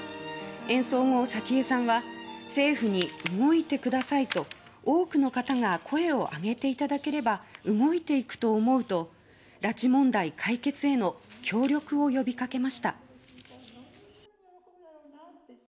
演奏後、早紀江さんは「政府に動いてくださいと多くの方が声をあげて頂ければ動いていくと思う」と拉致問題解決への協力を呼びかけました。